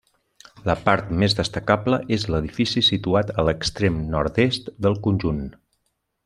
La part més destacable és l'edifici situat a l'extrem nord-est del conjunt.